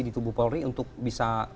di tubuh polri untuk bisa